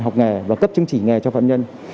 học nghề và cấp chứng chỉ nghề cho phạm nhân